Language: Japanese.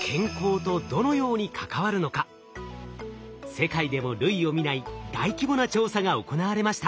世界でも類を見ない大規模な調査が行われました。